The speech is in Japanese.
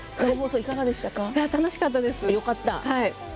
楽しかったです。